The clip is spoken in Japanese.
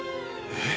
えっ？